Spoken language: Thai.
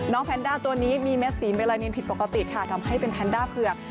แพนด้าตัวนี้มีเม็ดสีเมลานินผิดปกติค่ะทำให้เป็นแพนด้าเผือก